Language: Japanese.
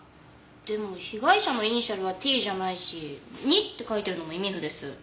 でも被害者のイニシャルはＴじゃないし２って書いてあるのもイミフです。